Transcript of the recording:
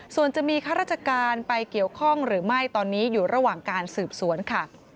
ส่วนจะมีข้าราชการไปเกี่ยวข้องหรือไม่ตอนนี้อยู่ระหว่างการสืบสวนค่ะ